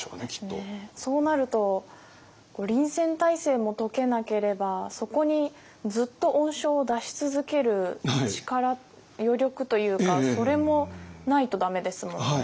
そうなると臨戦体制も解けなければそこにずっと恩賞を出し続ける力余力というかそれもないと駄目ですもんね。